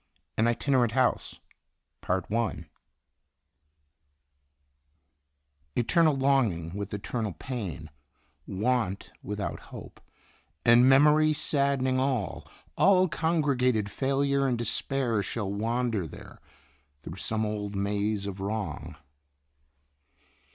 AN ITINERANT HOUSE. '' Eternal longing with eternal pain, Want without hope, and memory saddening all. All congregated failure and despair Shall wander there through some old maze of wrong."